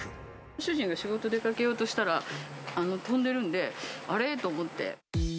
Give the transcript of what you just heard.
主人が仕事に出かけようとしたら、飛んでるんで、あれ？と思って。